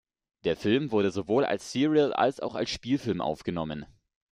Der Film wurde sowohl als Serial als auch als Spielfilm aufgenommen.